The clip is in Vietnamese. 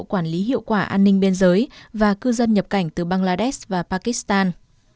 quản lý hiệu quả an ninh biên giới và cư dân nhập cảnh từ bangladesh và pakistan